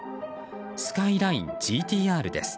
スカイラインＧＴ−Ｒです。